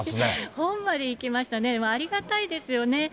本までいきましたね、ありがたいですよね。